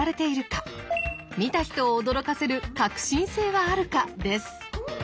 見た人を驚かせる革新性はあるかです。